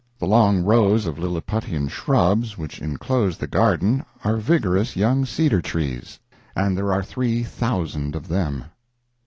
The long rows of lilliputian shrubs which inclose the garden are vigorous young cedar trees, and there are three thousand of them.